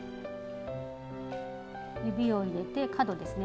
指を入れて角ですね